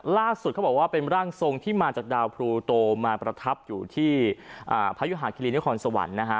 เขาบอกว่าเป็นร่างทรงที่มาจากดาวพลูโตมาประทับอยู่ที่พยุหาคิรีนครสวรรค์นะฮะ